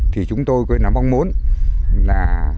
thì chúng tôi có nghĩa là mong muốn là